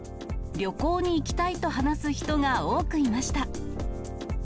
旅行に行きたいと話す人が多くいました。